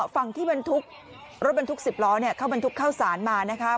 ฝั่งที่บรรทุกรถบรรทุก๑๐ล้อเข้าบรรทุกข้าวสารมานะคะ